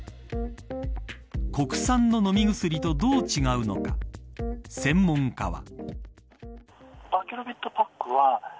国産の飲み薬とどう違うのか専門家は。